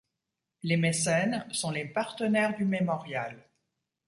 Les mécènes sont les partenaires du Mémorial.